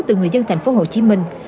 từ người dân thành phố hồ chí minh